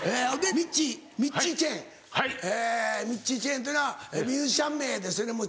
ミッチーチェンというのはミュージシャン名ですよねもちろんね。